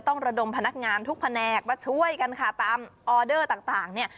ระดมพนักงานทุกแผนกมาช่วยกันค่ะตามออเดอร์ต่างเนี่ย